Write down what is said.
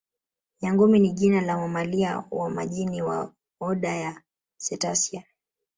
Nyangumi ni jina la mamalia wa majini wa oda ya Cetacea